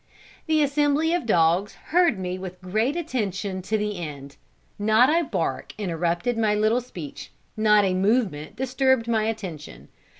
The assembly of dogs heard me with great attention to the end; not a bark interrupted my little speech, not a movement disturbed my attention.